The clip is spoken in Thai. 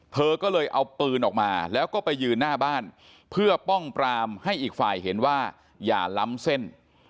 เธอก็เลยเอาปืนออกมาแล้วก็ไปยืนหน้าบ้านเพื่อป้องปรามให้อีกฝ่ายเห็นว่าอย่าล้ำเส้น